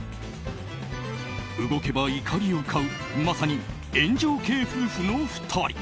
動けば怒りを買うまさに炎上系夫婦の２人。